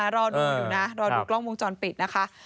รอดูอยู่นะรอดูกล้องวงจรปิดนะคะ